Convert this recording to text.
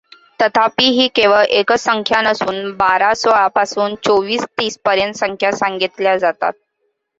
तथापि ही केवळ एकच संख्या नसून बारासोळा पासून चोवीस तीस पर्यंत संख्या सांगितल्या जातात.